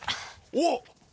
おっ？